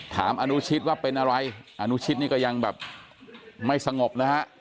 อนุชิตว่าเป็นอะไรอนุชิตนี่ก็ยังแบบไม่สงบนะฮะ